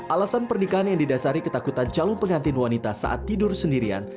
alasan pernikahan yang didasari ketakutan calon pengantin wanita saat tidur sendirian